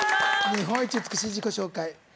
日本一、美しい自己紹介。